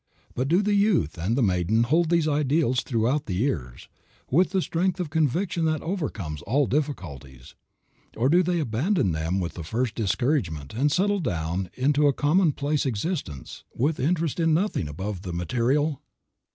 But do the youth and the maiden hold these ideals throughout the years, with the strength of conviction that overcomes all difficulties, or do they abandon them with the first discouragement and settle down into a commonplace existence with interest in nothing above the material?